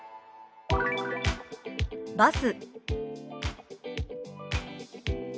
「バス」。